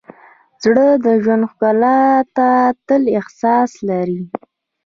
زړه د ژوند ښکلا ته تل احساس لري.